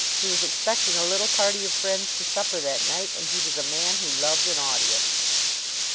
He was expecting a little party of friends to supper that night, and he was a man who loved an audience.